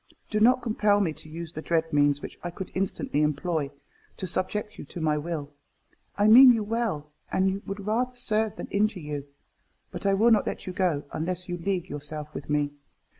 Do not compel me to use the dread means, which I could instantly employ, to subject you to my will. I mean you well, and would rather serve than injure you. But I will not let you go, unless you league yourself with me.